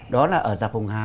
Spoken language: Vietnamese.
đó là ở già phồng hà